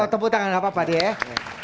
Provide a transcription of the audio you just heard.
temu tangan apa apa dia ya